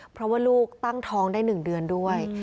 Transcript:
เพราะว่าลูกตั้งท้องได้๑เดือนด้วย